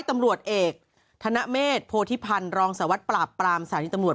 ตำรวจเอกธนเมษโพธิพันธ์รองสารวัตรปราบปรามสถานีตำรวจ